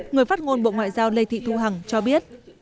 người phát ngôn bộ ngoại giao lê thị thu hằng cho biết